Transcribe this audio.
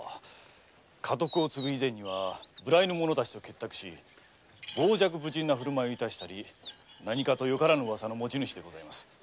家督を継ぐ以前は無頼の者たちと結託し傍若無人な振る舞いを致したり良からぬウワサの持ち主でございます。